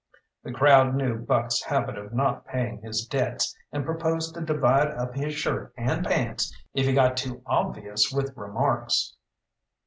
The crowd knew Buck's habit of not paying his debts, and proposed to divide up his shirt and pants if he got too obvious with remarks.